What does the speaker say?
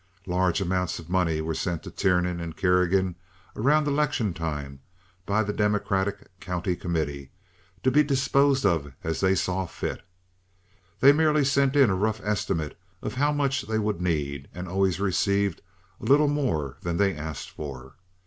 Large amounts of money were sent to Tiernan and Kerrigan around election time by the Democratic County Committee to be disposed of as they saw fit. They merely sent in a rough estimate of how much they would need, and always received a little more than they asked for.